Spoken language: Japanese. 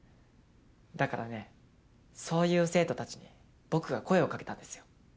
だからねそういう生徒たちに僕が声を掛けたんですよ。